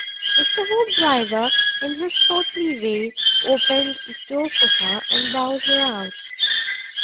Mr. Hoopdriver, in his courtly way, opened the door for her and bowed her out.